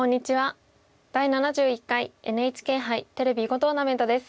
「第７１回ＮＨＫ杯テレビ囲碁トーナメント」です。